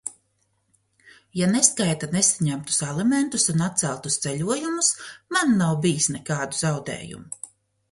Ja neskaita nesaņemtus alimentus un atceltus ceļojumus, man nav bijis nekādu zaudējumu.